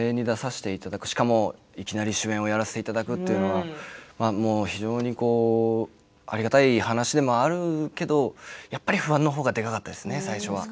しかも、いきなり主演をやらせていただくというのは非常にありがたい話でもあるけどやっぱり不安のほうがでかかったですね、最初は。